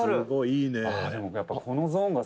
いいね。